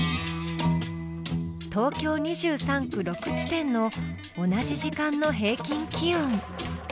東京２３区６地点の同じ時間の平均気温。